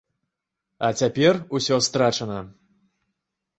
А цяпер усё страчана.